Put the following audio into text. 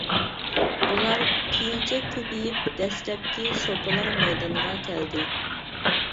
بۇلار كېيىنچە كۆپىيىپ دەسلەپكى سوپىلار مەيدانغا كەلدى.